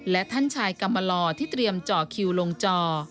และท่านชายกรรมลอที่เตรียมเจาะคิวลงจอ